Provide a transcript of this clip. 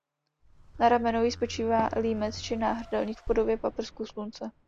Na ramenou jí spočívá límec či náhrdelník v podobě paprsků slunce.